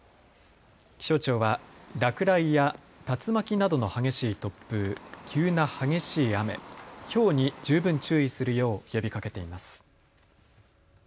気象庁は落雷や竜巻などの激しい突風、急な激しい雨、ひょうに十分注意するよう呼びかけています。